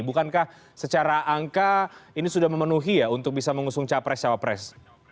bukankah secara angka ini sudah memenuhi ya untuk bisa mengusung capres cawapres